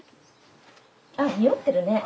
あっ匂ってるね。